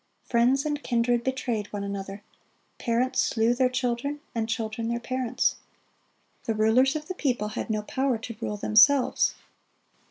Friends and kindred betrayed one another. Parents slew their children and children their parents. The rulers of the people had no power to rule themselves.